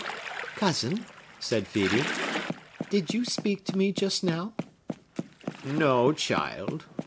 "Cousin," said Phœbe, "did you speak to me just now?" "No, child!"